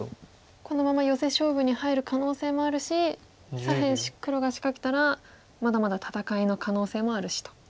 このままヨセ勝負に入る可能性もあるし左辺黒が仕掛けたらまだまだ戦いの可能性もあるしと。